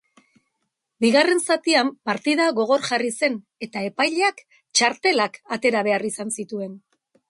Bigarren zatian partida gogor jarri zen eta epaileak txartelak atera behar izan zituen.